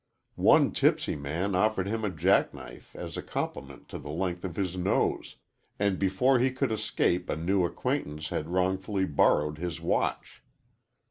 One tipsy man offered him a jack knife as a compliment to the length of his nose, and before he could escape a new acquaintance had wrongfully borrowed his watch.